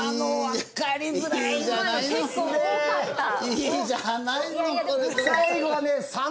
いいじゃないのこれで。